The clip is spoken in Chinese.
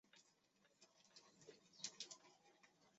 任徐州刺史。